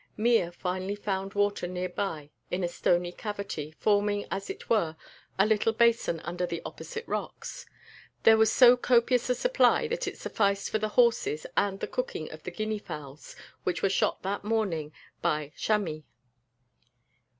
Mea finally found water near by in a stony cavity, forming as it were a little basin under the opposite rocks. There was so copious a supply that it sufficed for the horses and the cooking of the guinea fowls which were shot that morning by Chamis.